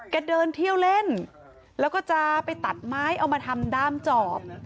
เดินเที่ยวเล่นแล้วก็จะไปตัดไม้เอามาทำด้ามจอบ